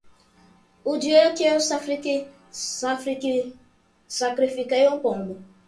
O dia que eu sacrifiquei um pombo